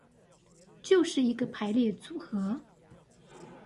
就是一個排列組合